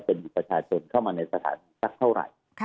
เป็นประชาชนเข้ามาในสถานีสักเท่าไหร่